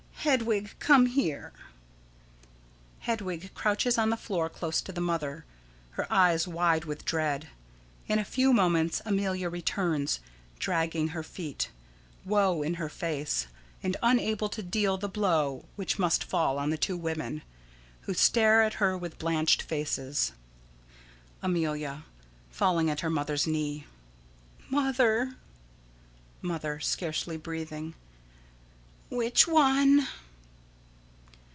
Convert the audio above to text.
Hedwig, come here. [_Hedwig crouches on the floor close to the mother, her eyes wide with dread. In a few moments Amelia returns, dragging her feet, woe in her face, and unable to deal the blow which must fall on the two women, who stare at her with blanched faces._] Amelia: [Falling at her mother's knee.] Mother! Mother: [Scarcely breathing.] Which one?